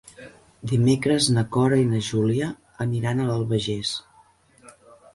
Dimecres na Cora i na Júlia aniran a l'Albagés.